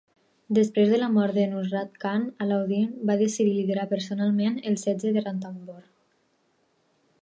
Després de la mort de Nusrat Khan, Alauddin va decidir liderar personalment el setge de Ranthambore.